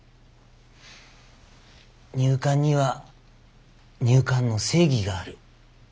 入管には入管の正義がある。